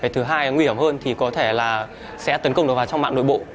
thứ hai nguy hiểm hơn thì có thể là sẽ tấn công vào trong mạng nội bộ